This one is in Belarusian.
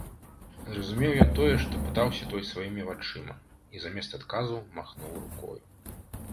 Зразумеў ён тое, што пытаўся той сваімі вачыма, і замест адказу махнуў рукою.